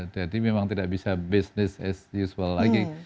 jadi memang tidak bisa bisnis as usual lagi